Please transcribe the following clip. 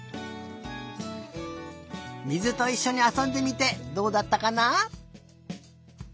水といっしょにあそんでみてどうだったかな？